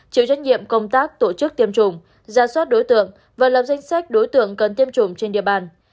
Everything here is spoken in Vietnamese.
chịu trách nhiệm công tác tổ chức tiêm chủng giả soát đối tượng và lập danh sách đối tượng cần tiêm chủng trên địa bàn